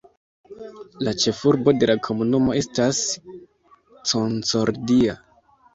La ĉefurbo de la komunumo estas Concordia.